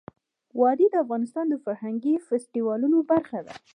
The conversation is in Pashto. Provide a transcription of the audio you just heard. وادي د افغانستان د فرهنګي فستیوالونو برخه ده.